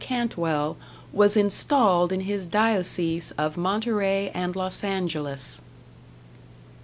Cantwell was installed in his diocese of Monterey and Los Angeles.